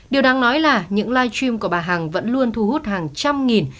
điều đáng nói là những live stream của bà hằng vẫn luôn thu hút hàng trăm nghìn